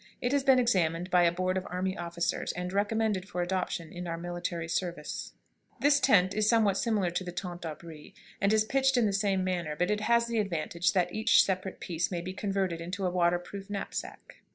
It has been examined by a board of army officers, and recommended for adoption in our military service. [Illustration: TENT KNAPSACK.] This tent is somewhat similar to the tente d'abri, and is pitched in the same manner, but it has this advantage, that each separate piece may be converted into a water proof knapsack.